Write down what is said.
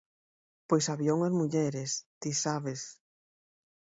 "Pois había unhas mulleres, ti sabes...".